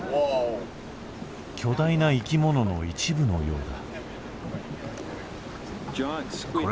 巨大な生きものの一部のようだ。